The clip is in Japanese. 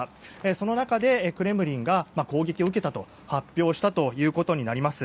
その中でクレムリンが攻撃を受けたと発表したということになります。